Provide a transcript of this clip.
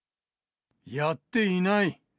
やっていない。